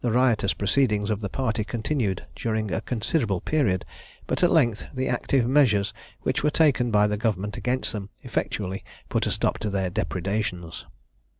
The riotous proceedings of the party continued during a considerable period, but at length the active measures, which were taken by the government against them, effectually put a stop to their depredations.